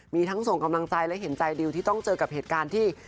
มีทั้งส่งกำลังใจและเห็นใจดิวที่ต้องเจอกับเหตุการณ์ที่